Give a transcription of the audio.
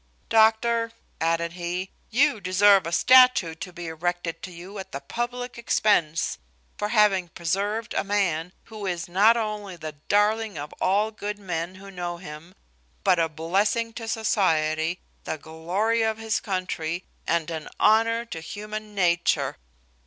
"Doctor," added he, "you deserve a statue to be erected to you at the public expense, for having preserved a man, who is not only the darling of all good men who know him, but a blessing to society, the glory of his country, and an honour to human nature.